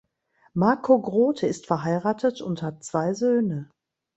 Marco Grote ist verheiratet und hat zwei Söhne.